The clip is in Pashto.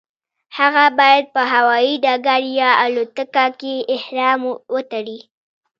هغه باید په هوایي ډګر یا الوتکه کې احرام وتړي.